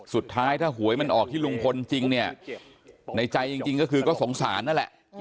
สุดท้ายถ้าหวยมันออกที่ลุงพลจริงเนี่ยในใจจริงก็คือก็สงสารนั่นแหละ